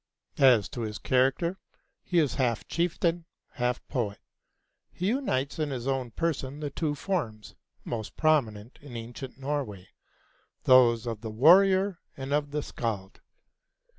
As to his character, he is half chieftain, half poet. He unites in his own person the two forms most prominent in ancient Norway those of the warrior and of the scald.